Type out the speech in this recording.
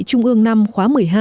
trung ương năm khóa một mươi hai